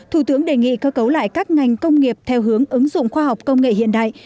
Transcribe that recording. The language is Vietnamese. thủ tướng đề nghị cơ cấu lại các ngành công nghiệp theo hướng ứng dụng khoa học công nghệ hiện đại